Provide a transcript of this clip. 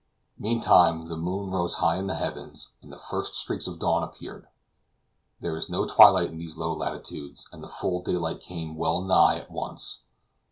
Meantime the moon rose high in the heavens, and the first streaks of dawn appeared. There is no twilight in these low latitudes, and the full daylight came well nigh at once.